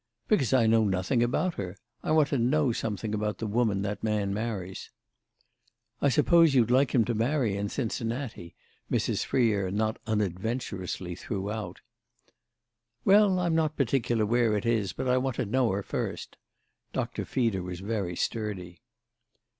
"Because I know nothing about her. I want to know something about the woman that man marries." "I suppose you'd like him to marry in Cincinnati," Mrs. Freer not unadventurously threw out. "Well, I'm not particular where it is; but I want to know her first." Doctor Feeder was very sturdy.